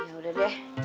ya udah deh